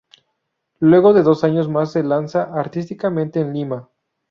Luego de dos años más se lanza artísticamente en Lima.